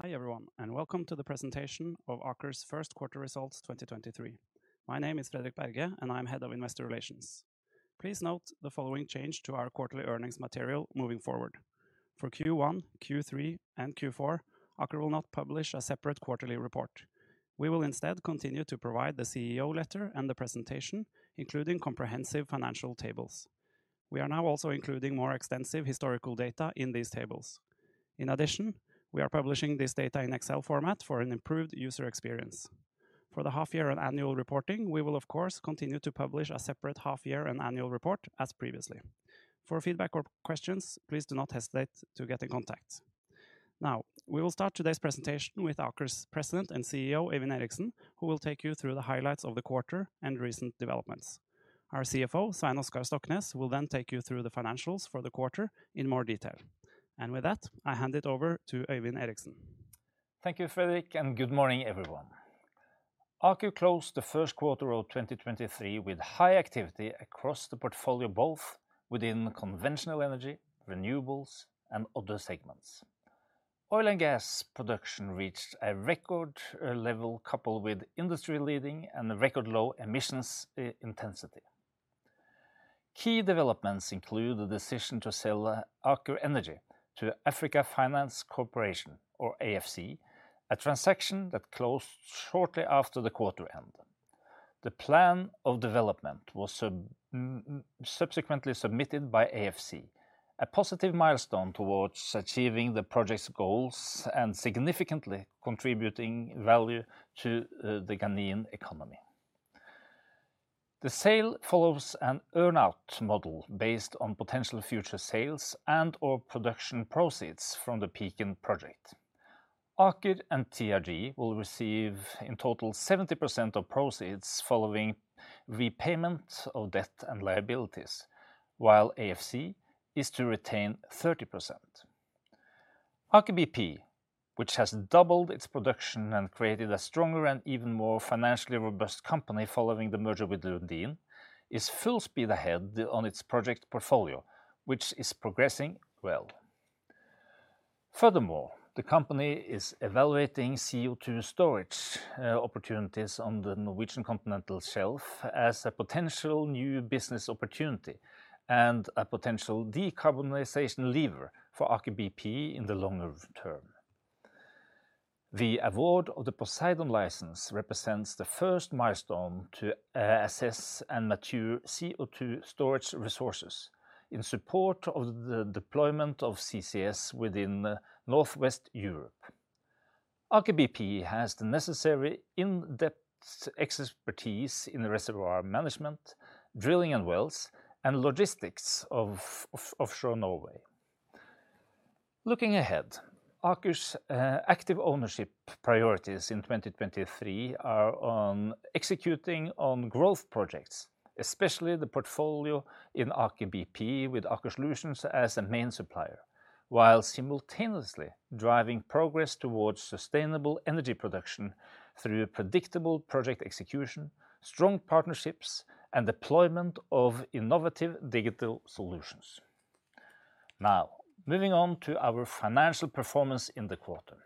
Hi everyone, welcome to the presentation of Aker's first quarter results 2023. My name is Fredrik Berge, I'm Head of Investor Relations. Please note the following change to our quarterly earnings material moving forward. For Q1, Q3, Q4, Aker will not publish a separate quarterly report. We will instead continue to provide the CEO letter and the presentation, including comprehensive financial tables. We are now also including more extensive historical data in these tables. We are publishing this data in Excel format for an improved user experience. For the half year on annual reporting, we will of course, continue to publish a separate half year and annual report as previously. For feedback or questions, please do not hesitate to get in contact. We will start today's presentation with Aker's President and CEO, Øyvind Eriksen, who will take you through the highlights of the quarter and recent developments. Our CFO, Svein Oskar Stoknes, will then take you through the financials for the quarter in more detail. With that, I hand it over to Øyvind Eriksen. Thank you, Fredrik, and good morning, everyone. Aker closed the first quarter of 2023 with high activity across the portfolio, both within conventional energy, renewables and other segments. Oil and gas production reached a record level coupled with industry-leading and a record low emissions intensity. Key developments include the decision to sell Aker Energy to Africa Finance Corporation or AFC, a transaction that closed shortly after the quarter end. The plan of development was subsequently submitted by AFC, a positive milestone towards achieving the project's goals and significantly contributing value to the Ghanaian economy. The sale follows an earn-out model based on potential future sales and/or production proceeds from the Pecan project. Aker and TRG will receive in total 70% of proceeds following repayment of debt and liabilities, while AFC is to retain 30%. Aker BP, which has doubled its production and created a stronger and even more financially robust company following the merger with Lundin, is full speed ahead on its project portfolio, which is progressing well. Furthermore, the company is evaluating CO2 storage opportunities on the Norwegian continental shelf as a potential new business opportunity and a potential decarbonization lever for Aker BP in the longer term. The award of the Poseidon license represents the first milestone to assess and mature CO2 storage resources in support of the deployment of CCS within Northwest Europe. Aker BP has the necessary in-depth expertise in the reservoir management, drilling and wells, and logistics of offshore Norway. Looking ahead, Aker's active ownership priorities in 2023 are on executing on growth projects, especially the portfolio in Aker BP with Aker Solutions as the main supplier, while simultaneously driving progress towards sustainable energy production through predictable project execution, strong partnerships and deployment of innovative digital solutions. Moving on to our financial performance in the quarter.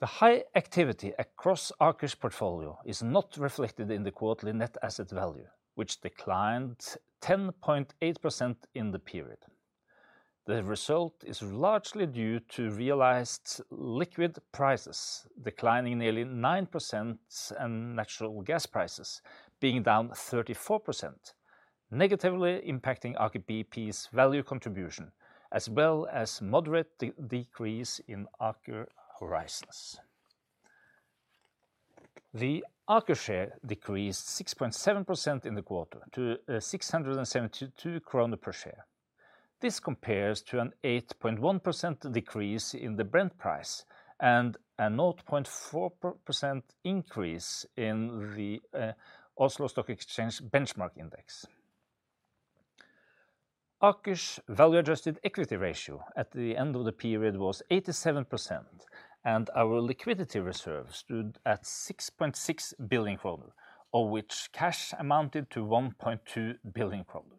The high activity across Aker's portfolio is not reflected in the quarterly net asset value, which declined 10.8% in the period. The result is largely due to realized liquid prices declining nearly 9% and natural gas prices being down 34%, negatively impacting Aker BP's value contribution as well as moderate decrease in Aker Horizons. The Aker share decreased 6.7% in the quarter to 672 kroner per share. This compares to an 8.1% decrease in the Brent price and a 0.4% increase in the Oslo Stock Exchange benchmark index. Aker's value-adjusted equity ratio at the end of the period was 87%, and our liquidity reserve stood at 6.6 billion kroner, of which cash amounted to 1.2 billion kroner.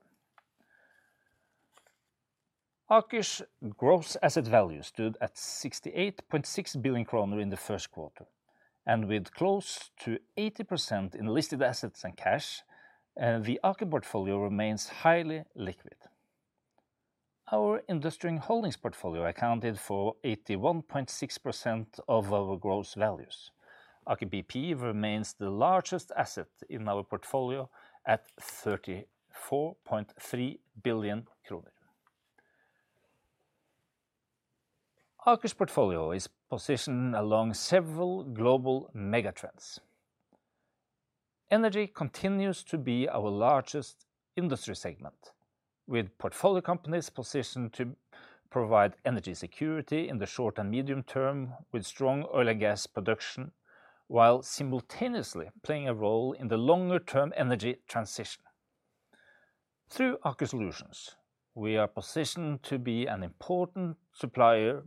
Aker's gross asset value stood at 68.6 billion kroner in the first quarter. With close to 80% in listed assets and cash, the Aker portfolio remains highly liquid. Our industry and holdings portfolio accounted for 81.6% of our gross values. Aker BP remains the largest asset in our portfolio at 34.3 billion kroner. Aker's portfolio is positioned along several global mega trends. Energy continues to be our largest industry segment, with portfolio companies positioned to provide energy security in the short and medium term with strong oil and gas production, while simultaneously playing a role in the longer term energy transition. Through Aker Solutions, we are positioned to be an important supplier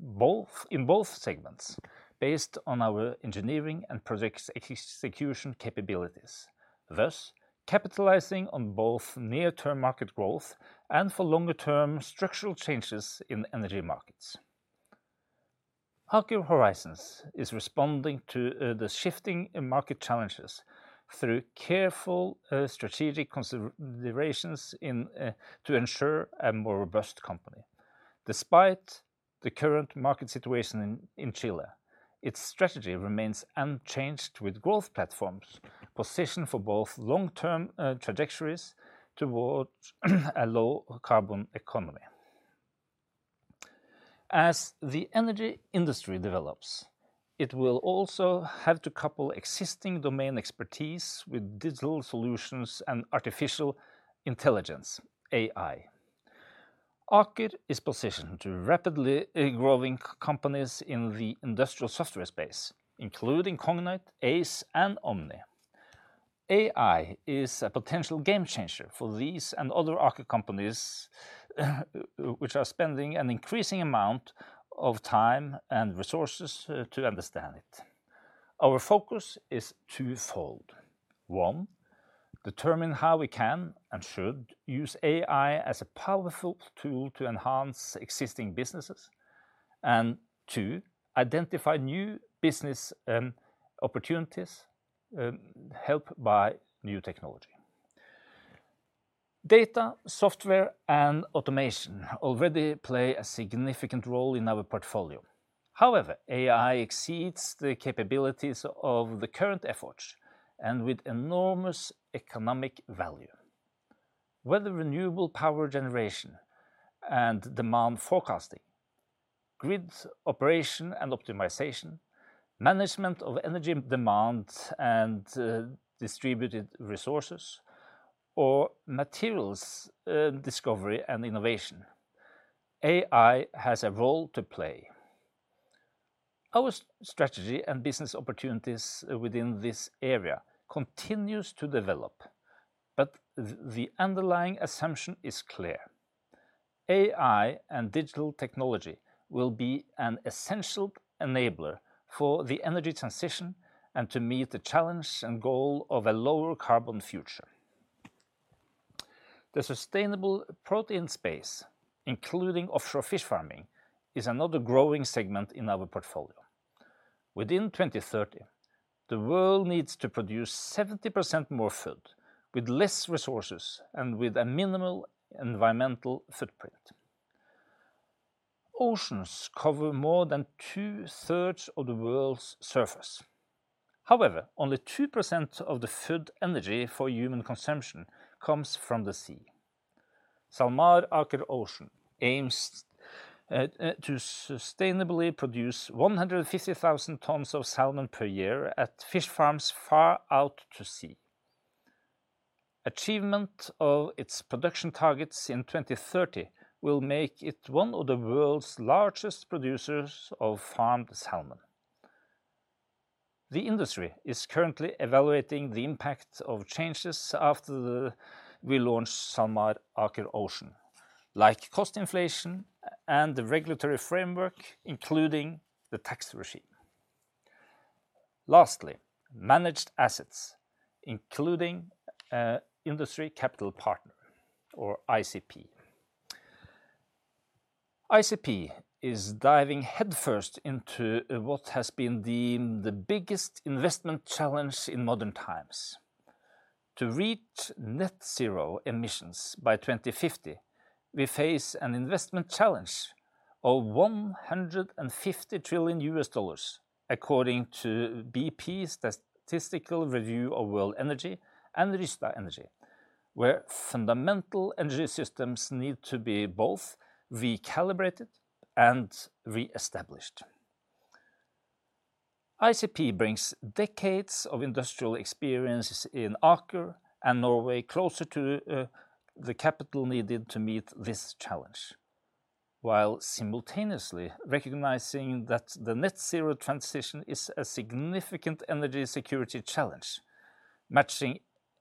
in both segments based on our engineering and project execution capabilities, thus capitalizing on both near-term market growth and for longer term structural changes in energy markets. Aker Horizons is responding to the shifting market challenges through careful strategic considerations in Chile, its strategy remains unchanged with growth platforms positioned for both long-term trajectories towards a low-carbon economy. As the energy industry develops, it will also have to couple existing domain expertise with digital solutions and artificial intelligence, AI. Aker is positioned to rapidly growing companies in the industrial software space, including Cognite, Aize, and Omny. AI is a potential game changer for these and other Aker companies, which are spending an increasing amount of time and resources to understand it. Our focus is twofold. One, determine how we can and should use AI as a powerful tool to enhance existing businesses. Two, identify new business opportunities helped by new technology. Data, software, and automation already play a significant role in our portfolio. However, AI exceeds the capabilities of the current efforts and with enormous economic value. Whether renewable power generation and demand forecasting, grid operation and optimization, management of energy demand and distributed resources, or materials discovery and innovation, AI has a role to play. Our strategy and business opportunities within this area continues to develop, but the underlying assumption is clear. AI and digital technology will be an essential enabler for the energy transition and to meet the challenge and goal of a lower carbon future. The sustainable protein space, including offshore fish farming, is another growing segment in our portfolio. Within 2030, the world needs to produce 70% more food with less resources and with a minimal environmental footprint. Oceans cover more than 2/3 of the world's surface. However, only 2% of the food energy for human consumption comes from the sea. SalMar Aker Ocean aims to sustainably produce 150,000 tons of salmon per year at fish farms far out to sea. Achievement of its production targets in 2030 will make it one of the world's largest producers of farmed salmon. The industry is currently evaluating the impact of changes after we launched SalMar Aker Ocean, like cost inflation and the regulatory framework, including the tax regime. Lastly, managed assets, including Industry Capital Partners, or ICP. ICP is diving headfirst into what has been deemed the biggest investment challenge in modern times. To reach net zero emissions by 2050, we face an investment challenge of $150 trillion according to BP's Statistical Review of World Energy and Rystad Energy, where fundamental energy systems need to be both recalibrated and re-established. ICP brings decades of industrial experience in Aker and Norway closer to the capital needed to meet this challenge, while simultaneously recognizing that the net zero transition is a significant energy security challenge, matching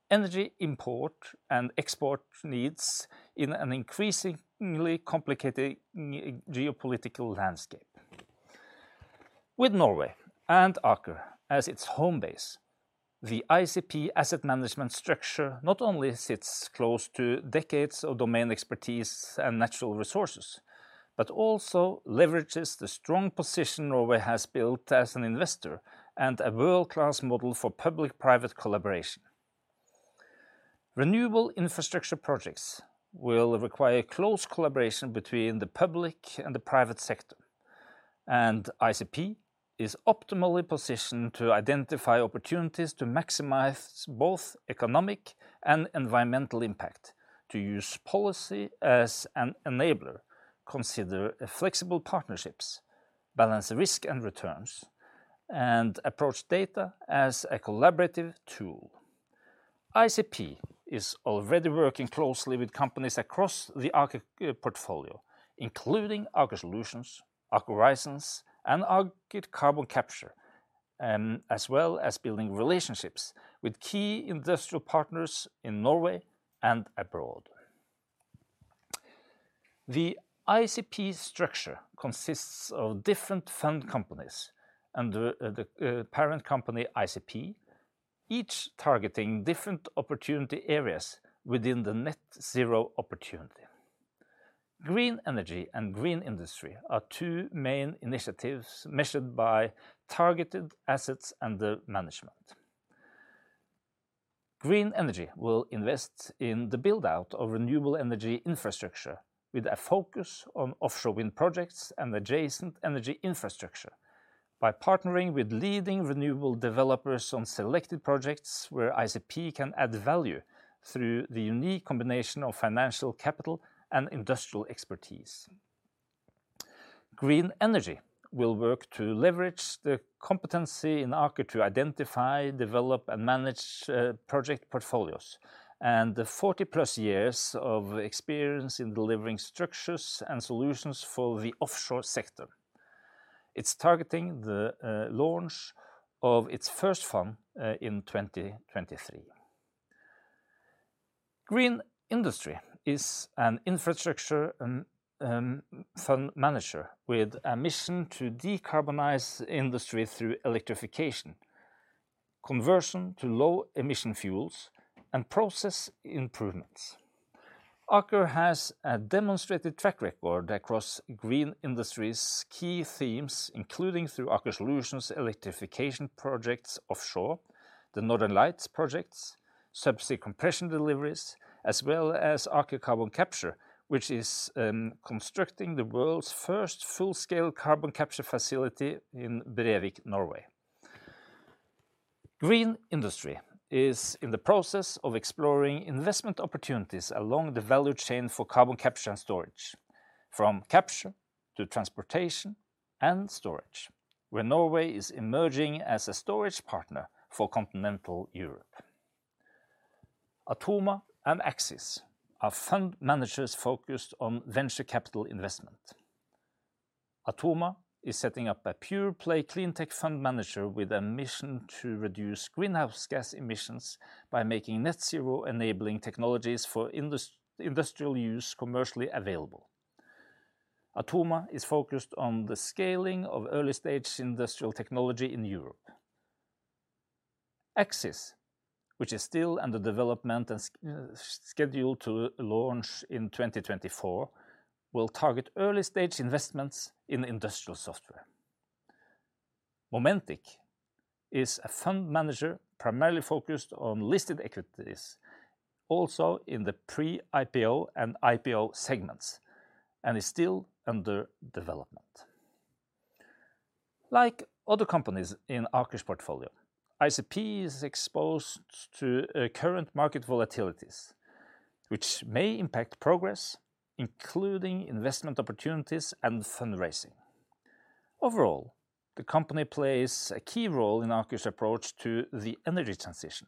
energy import and export needs in an increasingly complicated geopolitical landscape. With Norway and Aker as its home base, the ICP asset management structure not only sits close to decades of domain expertise and natural resources, but also leverages the strong position Norway has built as an investor and a world-class model for public-private collaboration. Renewable infrastructure projects will require close collaboration between the public and the private sector, and ICP is optimally positioned to identify opportunities to maximize both economic and environmental impact, to use policy as an enabler, consider flexible partnerships, balance risk and returns, and approach data as a collaborative tool. ICP is already working closely with companies across the Aker portfolio, including Aker Solutions, Aker Horizons, and Aker Carbon Capture, as well as building relationships with key industrial partners in Norway and abroad. The ICP structure consists of different fund companies under the parent company, ICP each targeting different opportunity areas within the net zero opportunity. Green Energy and Green Industry are two main initiatives measured by targeted assets under management. Green Energy will invest in the build-out of renewable energy infrastructure with a focus on offshore wind projects and adjacent energy infrastructure by partnering with leading renewable developers on selected projects where ICP can add value through the unique combination of financial capital and industrial expertise. Green Energy will work to leverage the competency in Aker to identify, develop, and manage project portfolios and the 40+ years of experience in delivering structures and solutions for the offshore sector. It's targeting the launch of its first farm in 2023. Green Industry is an infrastructure and fund manager with a mission to decarbonize industry through electrification, conversion to low emission fuels, and process improvements. Aker has a demonstrated track record across Green Industry's key themes, including through Aker Solutions electrification projects offshore, the Northern Lights project, sub-sea compression deliveries, as well as Aker Carbon Capture, which is constructing the world's first full-scale carbon capture facility in Brevik, Norway. Green Industry is in the process of exploring investment opportunities along the value chain for carbon capture and storage, from capture to transportation and storage, where Norway is emerging as a storage partner for continental Europe. Atoma and Axis are fund managers focused on venture capital investment. Atoma is setting up a pure-play clean tech fund manager with a mission to reduce greenhouse gas emissions by making net zero enabling technologies for industrial use commercially available. Atoma is focused on the scaling of early-stage industrial technology in Europe. Axis, which is still under development and scheduled to launch in 2024, will target early-stage investments in industrial software. Momentic is a fund manager primarily focused on listed equities, also in the pre-IPO and IPO segments, and is still under development. Like other companies in Aker's portfolio, ICP is exposed to current market volatilities, which may impact progress, including investment opportunities and fundraising. Overall, the company plays a key role in Aker's approach to the energy transition.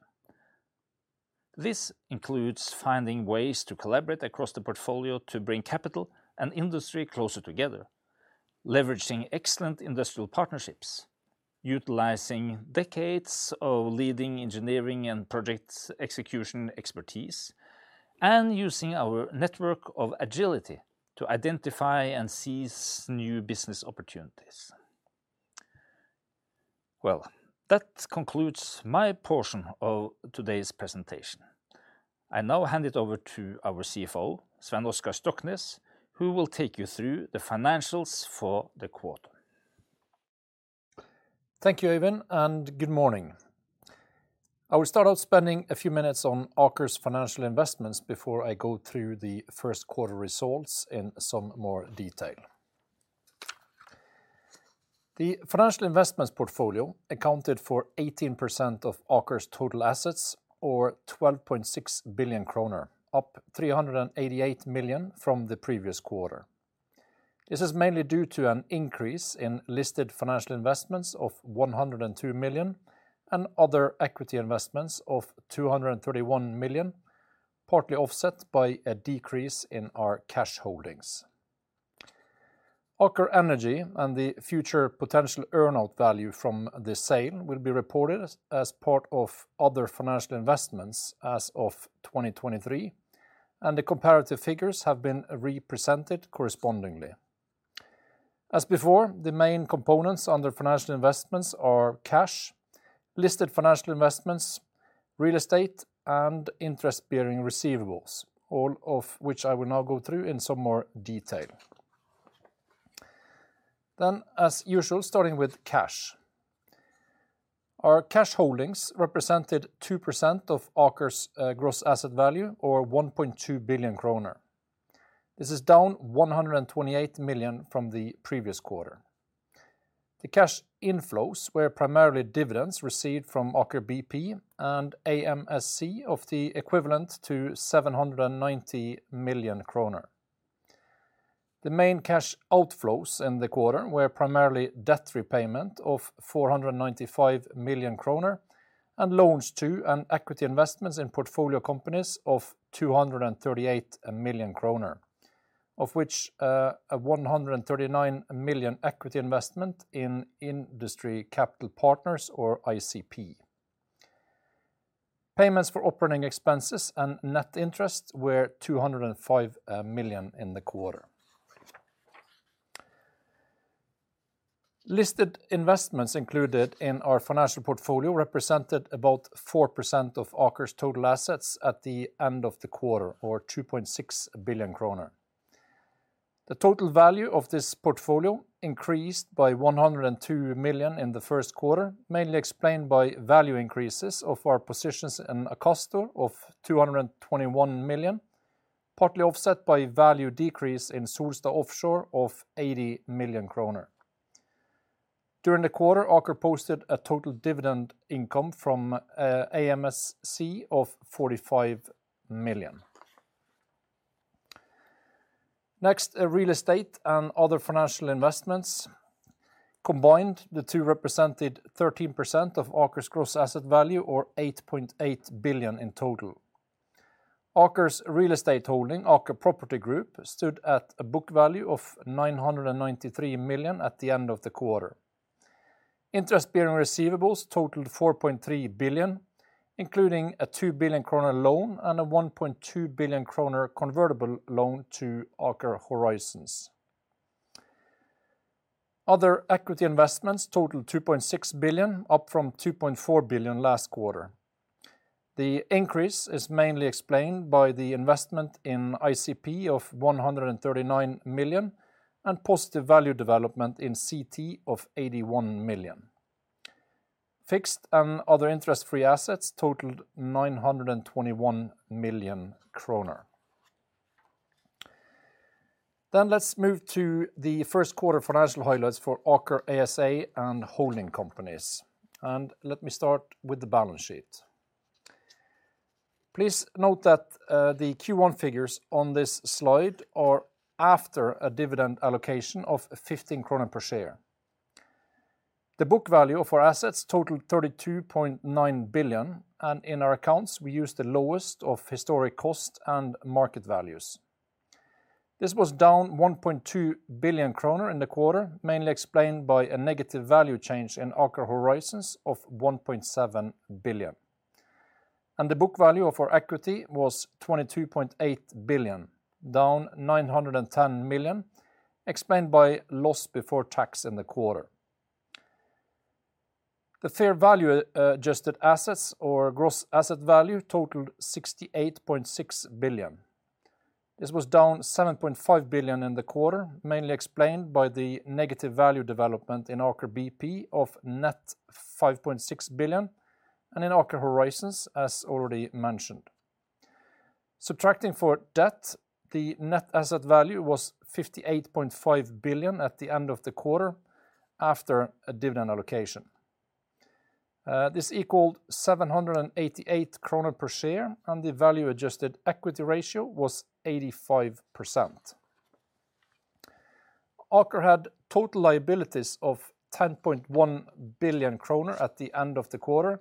This includes finding ways to collaborate across the portfolio to bring capital and industry closer together, leveraging excellent industrial partnerships, utilizing decades of leading engineering and project execution expertise, and using our network of agility to identify and seize new business opportunities. Well, that concludes my portion of today's presentation. I now hand it over to our CFO, Svein Oskar Stoknes, who will take you through the financials for the quarter. Thank you, Øyvind, good morning. I will start out spending a few minutes on Aker's financial investments before I go through the first quarter results in some more detail. The financial investments portfolio accounted for 18% of Aker's total assets or 12.6 billion kroner, up 388 million from the previous quarter. This is mainly due to an increase in listed financial investments of 102 million and other equity investments of 231 million, partly offset by a decrease in our cash holdings. Aker Energy and the future potential earn-out value from the sale will be reported as part of other financial investments as of 2023, and the comparative figures have been represented correspondingly. As before, the main components under financial investments are cash, listed financial investments, real estate, and interest-bearing receivables, all of which I will now go through in some more detail. As usual, starting with cash. Our cash holdings represented 2% of Aker's gross asset value or 1.2 billion kroner. This is down 128 million from the previous quarter. The cash inflows were primarily dividends received from Aker BP and AMSC of the equivalent to 790 million kroner. The main cash outflows in the quarter were primarily debt repayment of 495 million kroner and loans to and equity investments in portfolio companies of 238 million kroner, of which, a 139 million equity investment in Industry Capital Partners or ICP. Payments for operating expenses and net interest were 205 million in the quarter. Listed investments included in our financial portfolio represented about 4% of Aker's total assets at the end of the quarter or 2.6 billion kroner. The total value of this portfolio increased by 102 million in the first quarter, mainly explained by value increases of our positions in Akastor of 221 million, partly offset by value decrease in Solstad Offshore of 80 million kroner. During the quarter, Aker posted a total dividend income from AMSC of NOK 45 million. Real estate and other financial investments. Combined, the two represented 13% of Aker's gross asset value or 8.8 billion in total. Aker's real estate holding, Aker Property Group, stood at a book value of 993 million at the end of the quarter. Interest-bearing receivables totaled 4.3 billion, including a 2 billion kroner loan and a 1.2 billion kroner convertible loan to Aker Horizons. Other equity investments totaled 2.6 billion, up from 2.4 billion last quarter. The increase is mainly explained by the investment in ICP of 139 million and positive value development in CT of 81 million. Fixed and other interest-free assets totaled 921 million kroner. Let's move to the first quarter financial highlights for Aker ASA and holding companies, and let me start with the balance sheet. Please note that the Q1 figures on this slide are after a dividend allocation of 15 kroner per share. The book value of our assets totaled 32.9 billion, and in our accounts, we use the lowest of historic cost and market values. This was down 1.2 billion kroner in the quarter, mainly explained by a negative value change in Aker Horizons of 1.7 billion. The book value of our equity was 22.8 billion, down 910 million, explained by loss before tax in the quarter. The fair value adjusted assets or gross asset value totaled 68.6 billion. This was down 7.5 billion in the quarter, mainly explained by the negative value development in Aker BP of net 5.6 billion and in Aker Horizons, as already mentioned. Subtracting for debt, the net asset value was 58.5 billion at the end of the quarter after a dividend allocation. This equaled 788 kroner per share, and the value-adjusted equity ratio was 85%. Aker had total liabilities of 10.1 billion kroner at the end of the quarter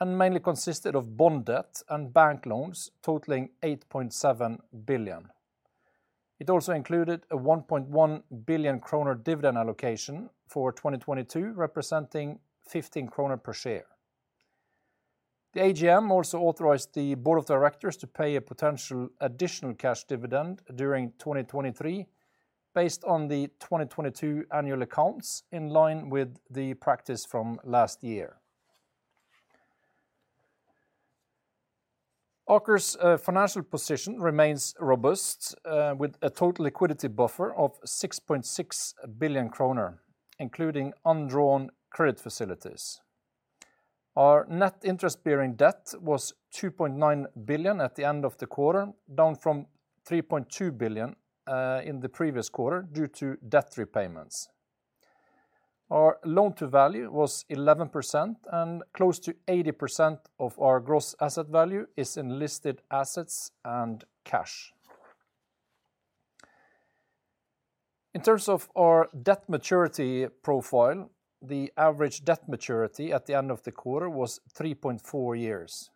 and mainly consisted of bond debt and bank loans totaling 8.7 billion. It also included a 1.1 billion kroner dividend allocation for 2022, representing 15 kroner per share. The AGM also authorized the board of directors to pay a potential additional cash dividend during 2023 based on the 2022 annual accounts in line with the practice from last year. Aker's financial position remains robust with a total liquidity buffer of 6.6 billion kroner, including undrawn credit facilities. Our net interest-bearing debt was 2.9 billion at the end of the quarter, down from 3.2 billion in the previous quarter due to debt repayments. Our loan-to-value was 11%. Close to 80% of our gross asset value is in listed assets and cash. In terms of our debt maturity profile, the average debt maturity at the end of the quarter was 3.4 years.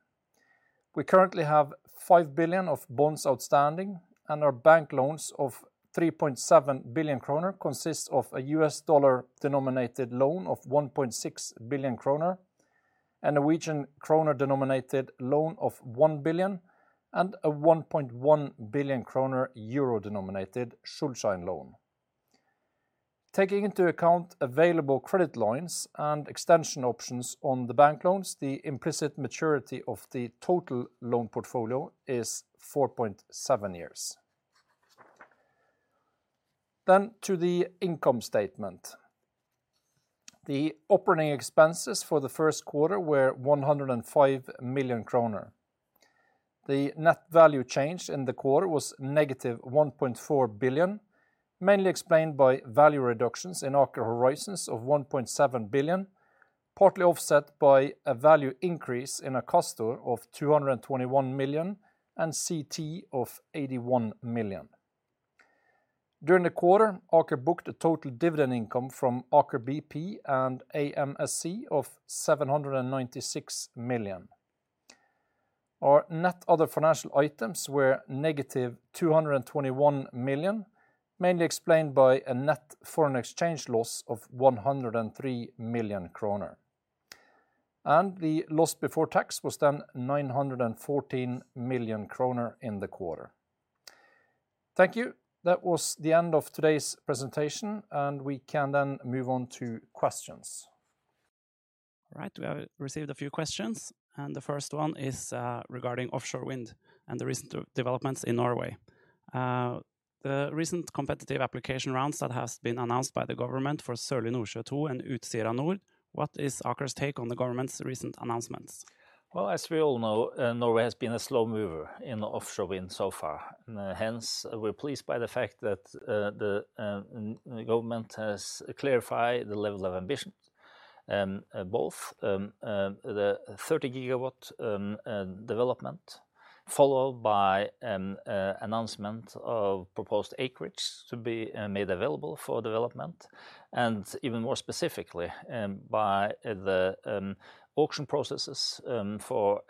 We currently have 5 billion of bonds outstanding. Our bank loans of 3.7 billion kroner consists of a USD-denominated loan of 1.6 billion kroner, a Norwegian kroner-denominated loan of 1 billion, and a NOK 1.1 billion EUR-denominated Schuldschein loan. Taking into account available credit lines and extension options on the bank loans, the implicit maturity of the total loan portfolio is 4.7 years. To the income statement. The operating expenses for the first quarter were 105 million kroner. The net value change in the quarter was negative 1.4 billion, mainly explained by value reductions in Aker Horizons of 1.7 billion, partly offset by a value increase in Akastor of 221 million and CT of 81 million. During the quarter, Aker booked a total dividend income from Aker BP and AMSC of 796 million. Our net other financial items were negative 221 million, mainly explained by a net foreign exchange loss of 103 million kroner. The loss before tax was then 914 million kroner in the quarter. Thank you. That was the end of today's presentation, and we can then move on to questions. All right. We have received a few questions, and the first one is regarding offshore wind and the recent de-developments in Norway. The recent competitive application rounds that has been announced by the government for Sørlige Nordsjø II and Utsira Nord, what is Aker's take on the government's recent announcements? Well, as we all know, Norway has been a slow mover in offshore wind so far. Hence, we're pleased by the fact that the government has clarified the level of ambition, both the 30 GW development, followed by announcement of proposed acreage to be made available for development, and even more specifically, by the auction processes for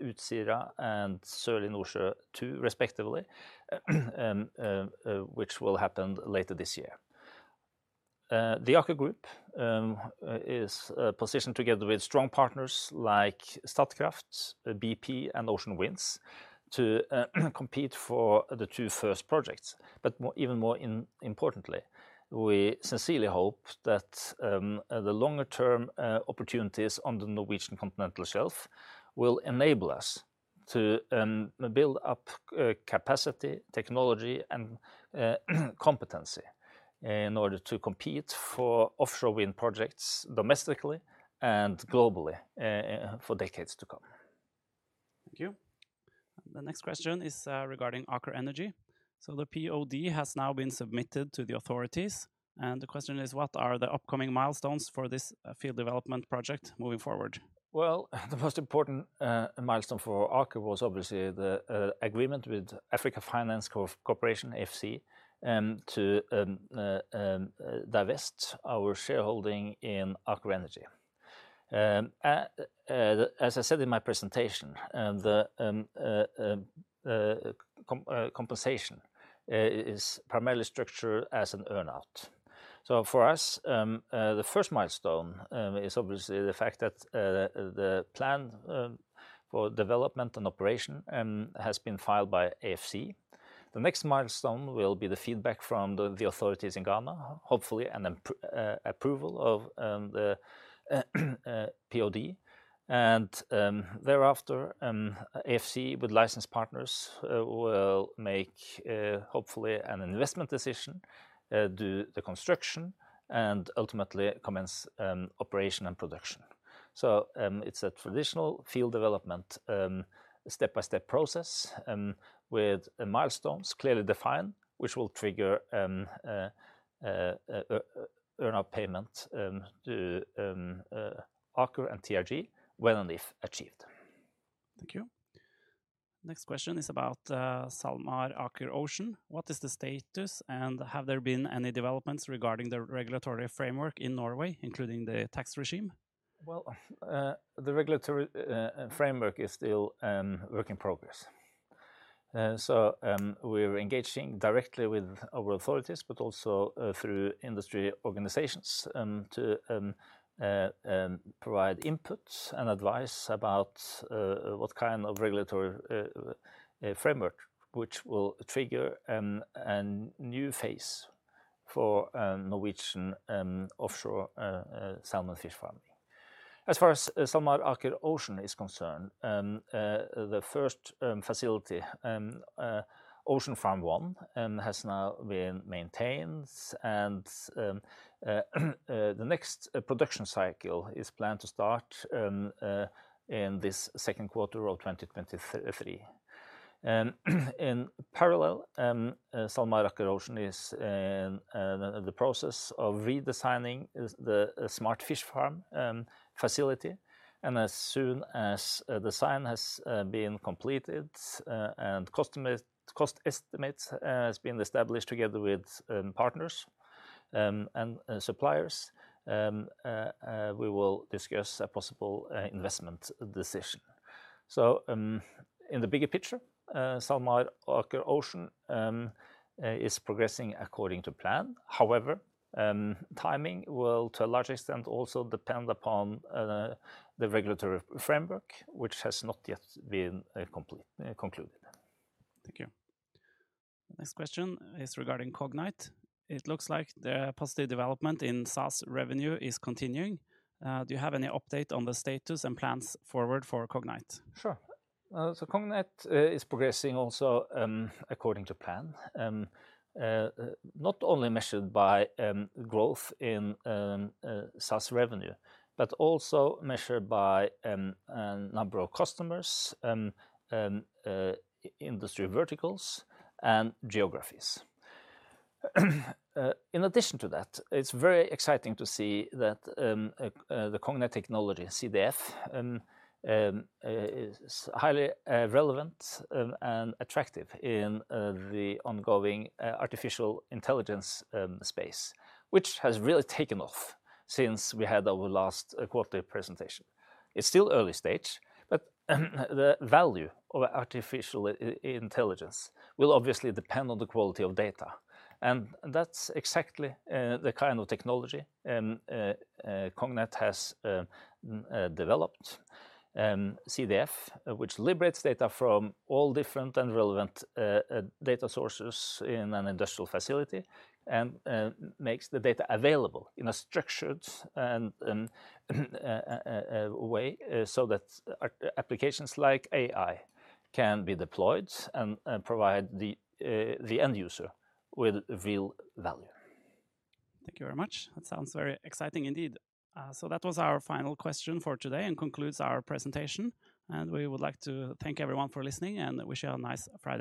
Utsira and Sørlige Nordsjø II respectively, which will happen later this year. The Aker Group is positioned together with strong partners like Statkraft, BP, and Ocean Winds to compete for the two first projects. More... even more importantly, we sincerely hope that the longer-term opportunities on the Norwegian continental shelf will enable us to build up capacity, technology, and competency in order to compete for offshore wind projects domestically and globally for decades to come. Thank you. The next question is, regarding Aker Energy. The POD has now been submitted to the authorities, and the question is, what are the upcoming milestones for this field development project moving forward? Well, the most important milestone for Aker was obviously the agreement with Africa Finance Corporation, AFC, to divest our shareholding in Aker Energy. As I said in my presentation, the compensation is primarily structured as an earn-out. For us, the first milestone is obviously the fact that the plan for development and operation has been filed by AFC. The next milestone will be the feedback from the authorities in Ghana, hopefully, and then approval of the POD. Thereafter, AFC with licensed partners will make, hopefully an investment decision, do the construction, and ultimately commence operation and production. It's a traditional field development, step-by-step process, with the milestones clearly defined, which will trigger earn-out payment to Aker and TRG when and if achieved. Thank you. Next question is about SalMar Aker Ocean. What is the status, and have there been any developments regarding the regulatory framework in Norway, including the tax regime? Well, the regulatory framework is still work in progress. We're engaging directly with our authorities, but also through industry organizations and to provide input and advice about what kind of regulatory framework which will trigger a new phase for Norwegian offshore salmon fish farming. As far as SalMar Aker Ocean is concerned, the first facility, Ocean Farm 1, has now been maintained and the next production cycle is planned to start in this second quarter of 2023. In parallel, SalMar Aker Ocean is in the process of redesigning the Smart Fish Farm facility. As soon as the design has been completed and cost estimates has been established together with partners, and suppliers, we will discuss a possible investment decision. In the bigger picture, SalMar Aker Ocean is progressing according to plan. However, timing will, to a large extent, also depend upon the regulatory framework, which has not yet been complete, concluded. Thank you. Next question is regarding Cognite. It looks like the positive development in SaaS revenue is continuing. Do you have any update on the status and plans forward for Cognite? Sure. Cognite is progressing also according to plan, not only measured by growth in SaaS revenue, but also measured by number of customers, industry verticals and geographies. In addition to that, it's very exciting to see that the Cognite technology, CDF, is highly relevant and attractive in the ongoing artificial intelligence space, which has really taken off since we had our last quarterly presentation. It's still early stage, but the value of artificial intelligence will obviously depend on the quality of data, and that's exactly the kind of technology Cognite has developed. es data from all different and relevant data sources in an industrial facility and makes the data available in a structured way, so that applications like AI can be deployed and provide the end user with real value Thank you very much. That sounds very exciting indeed. That was our final question for today and concludes our presentation. We would like to thank everyone for listening and wish you a nice afternoon.